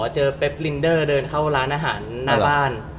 เป๊บลินเดอร์เดินเข้าร้านอาหารหน้าบ้าน